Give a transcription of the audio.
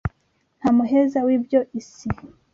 Nta muheza w'ibyo isi